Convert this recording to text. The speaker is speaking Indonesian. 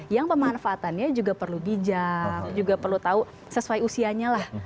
yang pemanfaatannya juga perlu bijak juga perlu tahu sesuai usianya lah